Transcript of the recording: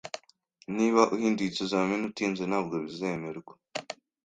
Niba uhinduye ikizamini utinze, ntabwo bizemerwa.